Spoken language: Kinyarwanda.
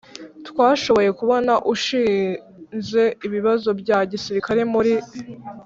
twashoboye kubona ushinze ibibazo bya gisirikari muri